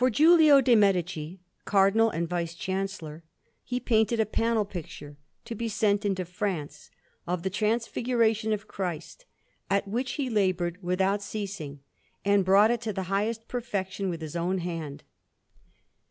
Rome: The Vatican_) Anderson] For Giulio de' Medici, Cardinal and Vice Chancellor, he painted a panel picture, to be sent into France, of the Transfiguration of Christ, at which he laboured without ceasing, and brought it to the highest perfection with his own hand.